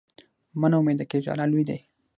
مه نا امیده کېږه، الله لوی دی.